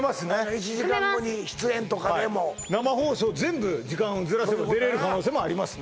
１時間後に出演とかでも生放送全部時間をずらせば出れる可能性もありますね